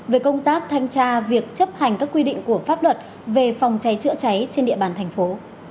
về công tác thanh tra việc chấp hành các quy định của pháp luật về phòng cháy chữa cháy trên địa bàn thành phố